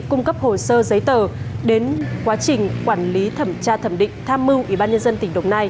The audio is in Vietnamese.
cung cấp hồ sơ giấy tờ đến quá trình quản lý thẩm tra thẩm định tham mưu ủy ban nhân dân tp hcm